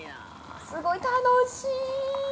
◆すごい、楽しい。